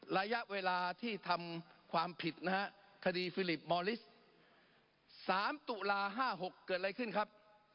ระยะเวลาที่ทำความผิดนะฮะคดีฟิลิปมอลิส๓ตุลา๕๖เกิดอะไรขึ้นครับ